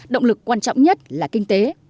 động lực quan trọng nhất là kinh tế